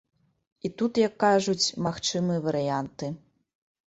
І тут, як кажуць, магчымыя варыянты.